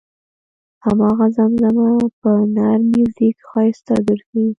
هماغه زمزمه په نر میوزیک ښایسته ګرځي.